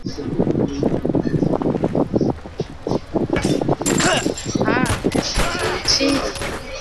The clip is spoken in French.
Ah ! que c’est gentil !